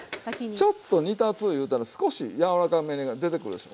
ちょっと煮立ついうたら少し柔らかめが出てくるでしょ。